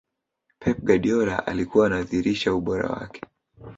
pep guardiola alikuwa anadhirisha ubora wake